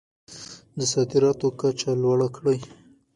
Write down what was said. د صادراتو کچه لوړه کړئ.